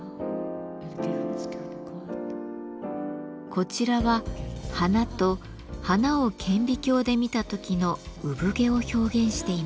こちらは花と花を顕微鏡で見た時の産毛を表現しています。